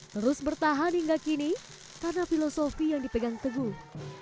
terus bertahan hingga kini karena filosofi yang dipegang teguh